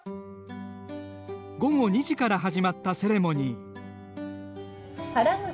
午後２時から始まったセレモニー。